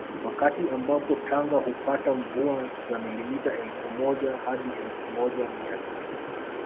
Wakati ambapo Tanga hupata mvua za millimita elfu moja hadi elfu moja mia nne